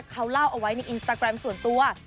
เขาเล่าเอาไว้ในอินสตาแกรมส่วนตัว